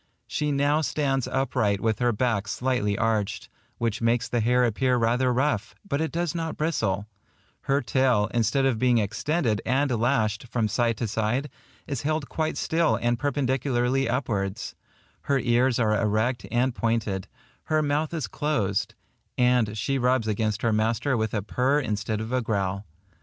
She now stands upright with her back slightly arched, which makes the hair appear rather rough, but it does not bristle; her tail, instead of being extended and lashed from side to side, is held quite still and perpendicularly upwards; her ears are erect and pointed; her mouth is closed; and she rubs against her master with a purr instead of a growl.